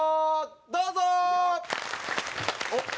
どうぞ！